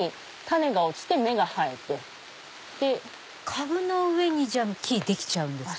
株の上に木できちゃうんですか？